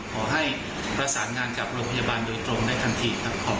ขอให้ประสานงานกับโรงพยาบาลโดยตรงได้ทันทีครับ